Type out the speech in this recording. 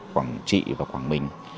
quảng trị và quảng mình